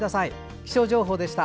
気象情報でした。